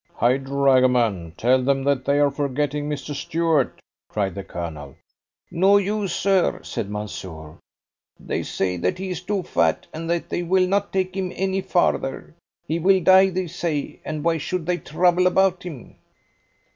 "Hi, dragoman, tell them that they are forgetting Mr. Stuart," cried the Colonel. "No use, sir," said Mansoor. "They say that he is too fat, and that they will not take him any farther. He will die, they say, and why should they trouble about him?"